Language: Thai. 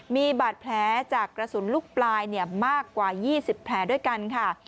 มีบาดแผลจากกระสุนลูกปลายมากกว่า๒๐แผลด้วยกันค่ะ